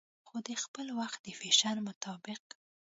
خو دخپل وخت د فېشن مطابق